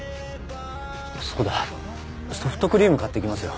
そうだソフトクリーム買って来ますよ。